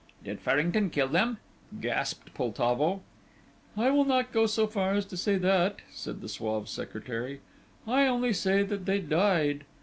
"Did Farrington kill them?" gasped Poltavo. "I will not go so far as to say that," said the suave secretary; "I only say that they died.